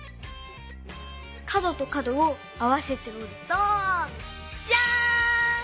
かどとかどをあわせておるとジャーン！